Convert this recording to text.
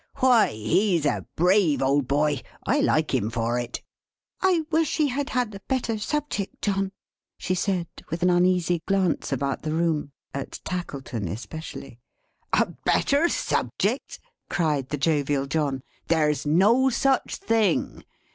Why, he's a brave old boy. I like him for it!" "I wish he had had a better subject, John;" she said, with an uneasy glance about the room; at Tackleton especially. "A better subject!" cried the jovial John. "There's no such thing.